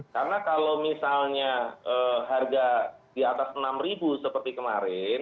karena kalau misalnya harga di atas rp enam seperti kemarin ya